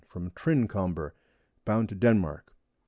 from Trincombar, bound to Denmark.